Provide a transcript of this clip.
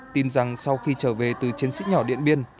tin rằng sau khi trở về từ chiến sĩ nhỏ điện biên